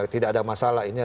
tidak ada masalah ini